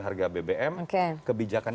harga bbm kebijakan